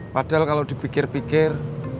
padahal kalau dipikir pikir